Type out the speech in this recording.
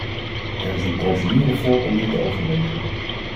Er is een procedure voor om dit te overwegen.